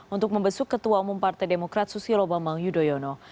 untuk membesuk ketua umum partai demokrat susilo bambang yudhoyono